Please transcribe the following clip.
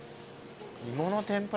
芋の天ぷら？